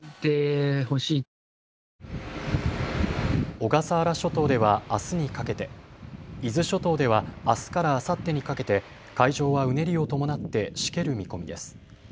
小笠原諸島ではあすにかけて、伊豆諸島ではあすからあさってにかけて海上はうねりを伴ってしける見込みです。